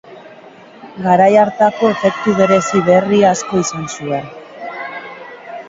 Garai hartarako efektu berezi berri asko izan zuen.